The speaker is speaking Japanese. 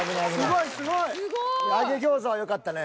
すごい。揚げ餃子はよかったね。